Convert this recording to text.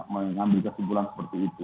mengambil kesimpulan seperti itu